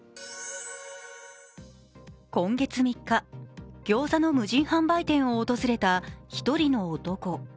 今月３日、ギョーザの無人販売店を訪れた１人の男。